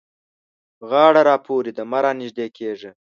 غاړه را پورې ده؛ مه رانږدې کېږه.